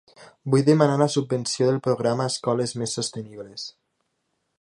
Vull demanar la subvenció del programa Escoles Més Sostenibles.